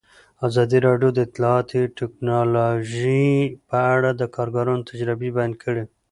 ازادي راډیو د اطلاعاتی تکنالوژي په اړه د کارګرانو تجربې بیان کړي.